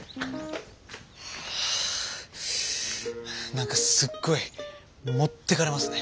なんかすっごい持ってかれますね。